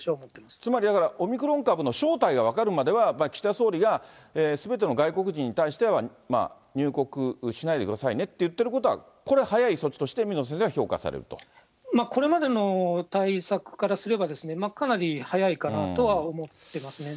つまりだから、オミクロン株の正体が分かるまでは、岸田総理がすべての外国人に対しては、入国しないでくださいねって言ってることは、これは早い措置としこれまでの対策からすれば、かなり早いかなとは思ってますね。